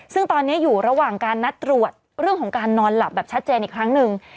ซึ่งตอนนี้อยู่ระหว่างการนัดตรวจเรื่องของการนอนหลับแบบชัดเจนอีกครั้งหนึ่ง